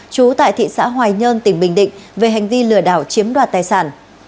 trú tại thị xã hoài nhơn tỉnh bình định về hành vi lừa đảo chiếm đoạt tài sản